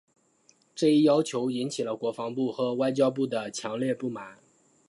这一要求引起了国防部和外交部的强烈不满。